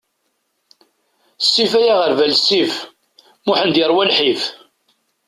Sif ay aɣerbal, sif; Muḥend yerwa lḥif!